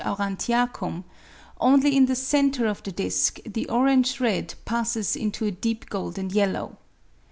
aurantiacum, only in the centre of the disc the orange red passes into a deep golden yellow.